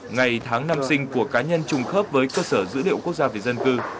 ngày tháng năm sinh của cá nhân trùng khớp với cơ sở dữ liệu quốc gia về dân cư